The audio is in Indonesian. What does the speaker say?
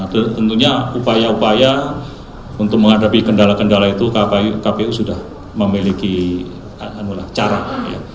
tentunya upaya upaya untuk menghadapi kendala kendala itu kpu sudah memiliki cara